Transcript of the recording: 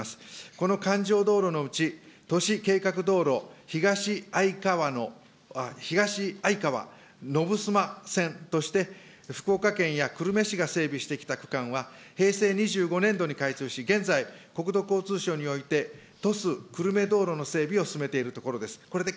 この環状道路のうち、都市計画道路、ひがしあいかわの、ひがしあいかわのぶすま線として、福岡県や久留米市が整備してきた区間は、平成２５年度に開通し、現在、国土交通省において、とす久留米道路の整備を進めているところでございます。